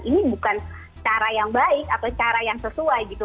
ini bukan cara yang baik atau cara yang sesuai gitu